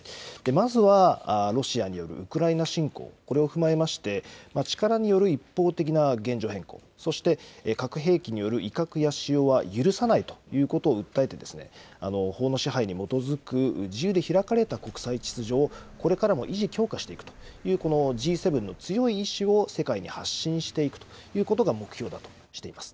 まずはロシアによるウクライナ侵攻、これを踏まえまして、力による一方的な現状変更、そして核兵器による威嚇や使用は許さないということを訴えて、法の支配に基づく自由で開かれた国際秩序をこれからも維持・強化していくというＧ７の強い意思を世界に発信していくということが目標だとしています。